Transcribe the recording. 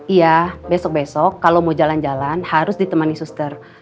iya besok besok kalau mau jalan jalan harus ditemani suster